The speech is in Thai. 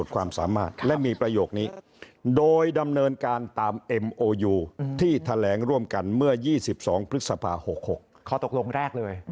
เขาตกลงแรกเลย